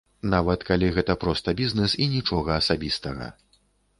Нават калі гэта проста бізнэс і нічога асабістага.